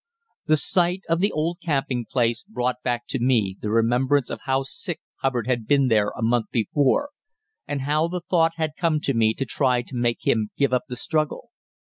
The sight of the old camping place brought back to me the remembrance of how sick Hubbard had been there a month before, and how the thought had come to me to try to make him give up the struggle.